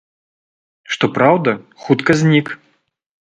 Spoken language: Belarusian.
Што праўда, хутка знік.